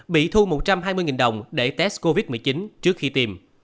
bị thu một trăm hai mươi đồng để test covid một mươi chín trước khi tìm